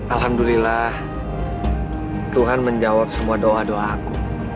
alhamdulillah tuhan menjawab semua doa doaku